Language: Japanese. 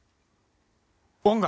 音楽。